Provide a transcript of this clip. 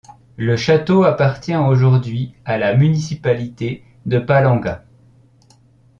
Le château appartient aujourd'hui à la municipalité de Palanga.